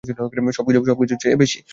সবকিছুর চেয়ে বেশী!